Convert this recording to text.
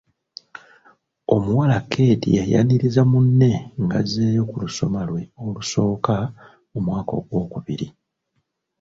Omuwala Kattei yayaniriza munne ng’azzeeyo ku lusoma lwe olusooka mu mwaka ogw’okubiri.